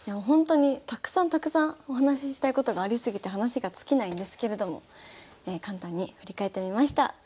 ほんとにたくさんたくさんお話ししたいことがあり過ぎて話が尽きないんですけれども簡単に振り返ってみました。